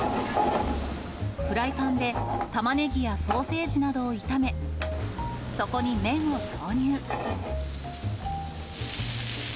フライパンでタマネギやソーセージなどを炒め、そこに麺を投入。